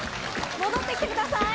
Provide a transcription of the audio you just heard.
戻ってきてください。